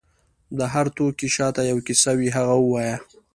د هر توکي شاته یو کیسه وي، هغه ووایه.